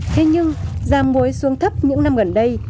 thế nhưng giá muối xuống thấp những năm gần đây